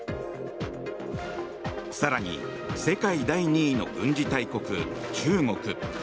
更に世界第２位の軍事大国・中国。